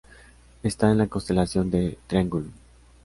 Está en la constelación de Triangulum.